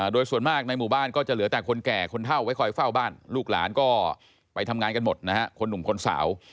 โดยส่วนมากในหมู่บ้านก็จะเหลือแต่คนแก่คนเท่าไว้คอยเฝ้าบ้านลูกหลานก็ไปทำงานกันหมดนะฮะคนหนุ่มคนสาว